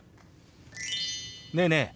ねえねえ